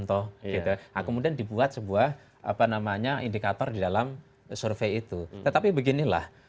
toh itu aku mudah dibuat sebuah apa namanya indikator di dalam survei itu tetapi beginilah